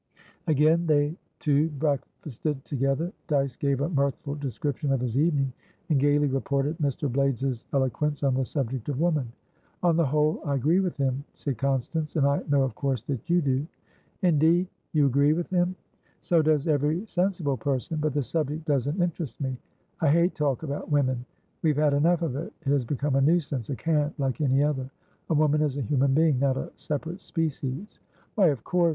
Again they two breakfasted together. Dyce gave a mirthful description of his evening, and gaily reported Mr. Blaydes's eloquence on the subject of woman. "On the whole, I agree with him," said Constance. "And I know, of course, that you do." "Indeed? You agree with him?" "So does every sensible person. But the subject doesn't interest me. I hate talk about women. We've had enough of it: it has become a nuisancea cant, like any other. A woman is a human being, not a separate species." "Why, of course!"